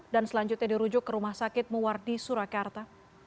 dan selanjutnya dirujuk ke rumah sakit muwardi surakarta